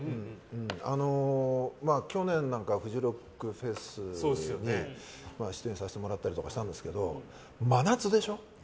去年なんかはフジロックフェスティバルに出演させてもらったりとかしたんですけど真夏でしょ。